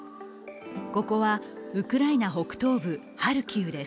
ここはウクライナ北東部ハルキウです。